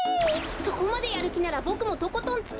そこまでやるきならボクもとことんつきあいますよ！